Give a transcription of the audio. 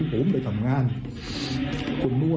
เก่าอยากบอกอะไรแม่ว่า